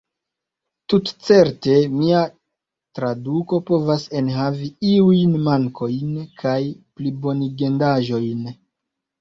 Tutcerte, mia traduko povas enhavi iujn mankojn kaj plibonigendaĵojn.